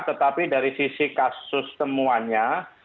tetapi dari sisi kasus temuannya